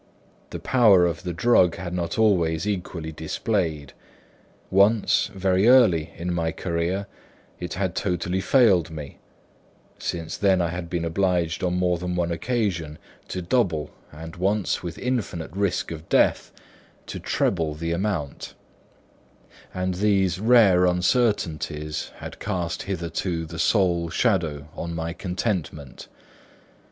The power of the drug had not been always equally displayed. Once, very early in my career, it had totally failed me; since then I had been obliged on more than one occasion to double, and once, with infinite risk of death, to treble the amount; and these rare uncertainties had cast hitherto the sole shadow on my contentment.